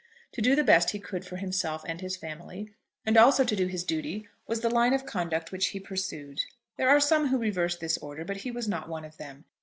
To do the best he could for himself and his family, and also to do his duty, was the line of conduct which he pursued. There are some who reverse this order, but he was not one of them.